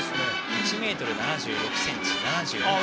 １ｍ７６ｃｍ、７８ｋｇ。